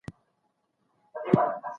خپل يونليکونه په خپله وليکئ.